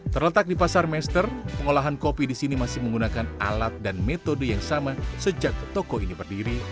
terletak di pasar mester pengolahan kopi di sini masih menggunakan alat dan metode yang sama sejak toko ini berdiri